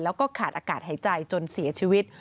แล้วก็ขาดอากาศหายใจจนเสียชีวิต